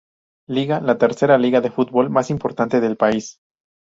Liga, la tercera liga de fútbol más importante del país.